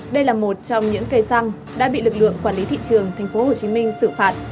đây là một trong những cây xăng đã bị lực lượng quản lý thị trường tp hcm xử phạt